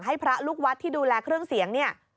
ให้พระลูกวัดที่ดูแลเครื่องเสียงเนี่ย